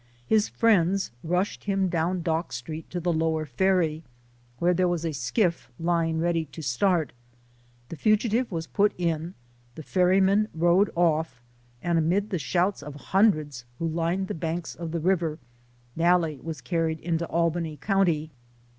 His friends rushed him down Dock Street to the lower ferry, where there was a skiff lying ready to start. The fugitive was put in, the ferryman rowed off, and amid the shouts of hundreds who lined the banks of the river, Nalle was carried into Albany County.